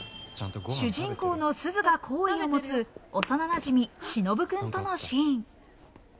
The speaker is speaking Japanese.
主人公のすずが好意を持つ幼なじみ、しのぶくんとのシーン。